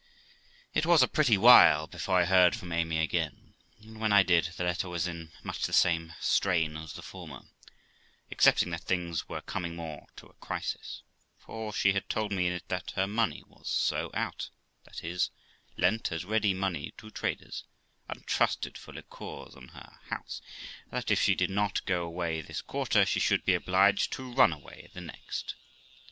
' It was a pretty while before I heard from Amy again, and when I did, the letter was in much the same strain as the former, excepting that things were coming more to a crisis ; for she told me in it that her money was so out, that is, lent as ready money to traders, and trusted for liquors in her house, that if she did not go away this quarter, she should be obliged to run away the next.